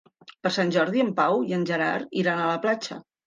Per Sant Jordi en Pau i en Gerard iran a la platja.